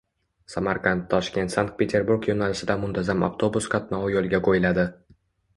“Samarqand – Toshkent – Sankt-Peterburg” yo‘nalishida muntazam avtobus qatnovi yo‘lga qo‘yiladi